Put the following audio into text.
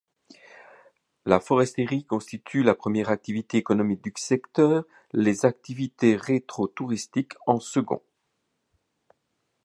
La foresterie constitue la première activité économique du secteur; les activités récréotouristiques, en second.